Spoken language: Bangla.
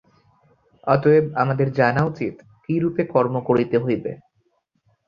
অতএব আমাদের জানা উচিত কিরূপে কর্ম করিতে হইবে।